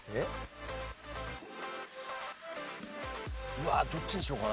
うわどっちにしようかな。